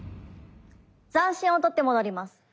残心をとって戻ります。